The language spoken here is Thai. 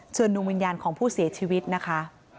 ดวงวิญญาณของผู้เสียชีวิตนะคะ